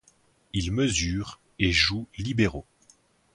Il mesure et joue libero.